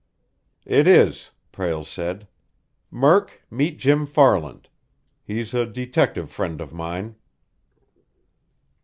"It is," Prale said. "Murk, meet Jim Farland. He's a detective friend of mine."